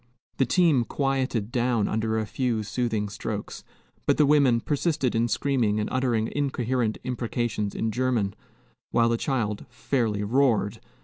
The team quieted down under a few soothing strokes; but the women persisted in screaming and uttering incoherent imprecations in German, while the child fairly roared.